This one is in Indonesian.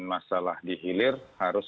masalah dihilir harus